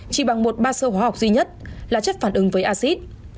chỉ bằng một ba sho hóa học duy nhất là chất phản ứng với acid